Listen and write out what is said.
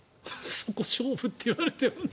そこ、勝負って言われてもね。